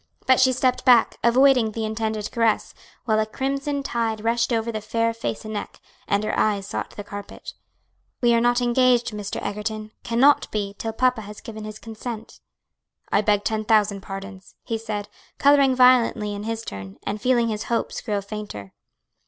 But she stepped back, avoiding the intended caress, while a crimson tide rushed over the fair face and neck, and her eyes sought the carpet. "We are not engaged, Mr. Egerton; cannot be till papa has given consent." "I beg ten thousand pardons," he said, coloring violently in his turn, and feeling his hopes grow fainter.